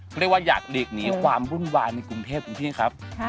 เขาเรียกว่าอยากหลีกหนีความวุ่นวายในกรุงเทพคุณพี่ครับ